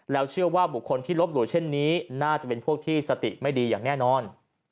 แล้วเชื่อว่าบุคคลที่ลบหลู่เช่นนี้น่าจะเป็นพวกที่สติไม่ดีอย่างแน่นอน